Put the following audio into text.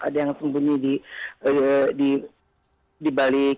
ada yang sembunyi di